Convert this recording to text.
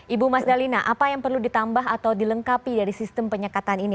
ibu mas dalina apa yang perlu ditambah atau dilengkapi dari sistem penyekatan ini